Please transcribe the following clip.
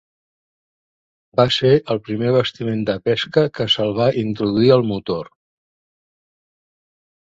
Va ser el primer bastiment de pesca que se'l va introduir el motor.